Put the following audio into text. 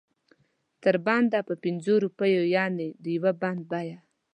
تر بنده په پنځو روپو یعنې د یو بند بیه.